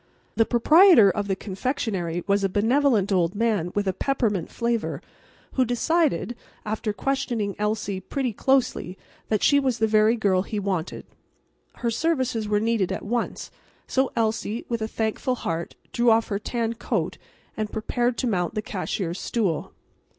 The proprietor of the confectionery was a benevolent old man with a peppermint flavor, who decided, after questioning Elsie pretty closely, that she was the very girl he wanted. Her services were needed at once, so Elsie, with a thankful heart, drew off her tan coat and prepared to mount the cashier's stool.